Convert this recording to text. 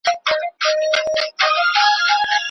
که روژې که اخترونه د بادار په پیمانه دي